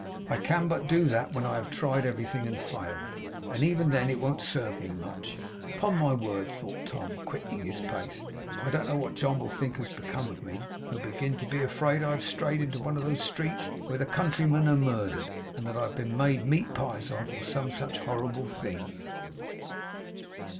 I can but do that, when I have tried everything and failed; and even then it won't serve me much. Upon my word,' thought Tom, quickening his pace, 'I don't know what John will think has become of me. He'll begin to be afraid I have strayed into one of those streets where the countrymen are murdered; and that I have been made meat pies of, or some such horrible thing.